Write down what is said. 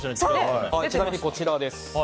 ちなみにこちらです。